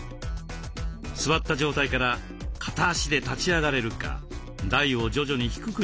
座った状態から片足で立ち上がれるか台を徐々に低くしながらテストします。